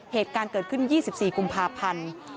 เหตุการณ์เกิดขึ้น๒๔กุมภาพันธ์